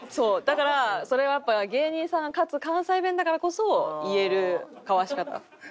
だからそれはやっぱ芸人さんかつ関西弁だからこそ言えるかわし方。